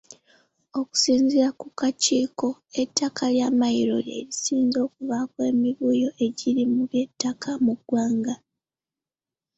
Okusinziira ku kakiiko, ettaka lya Mmayiro lye lisinze okuvaako emivuyo egiri mu by’ettaka mu ggwanga.